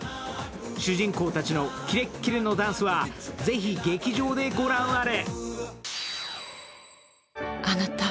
主人公たちのキレッキレのダンスは、ぜひ劇場でご覧あれ。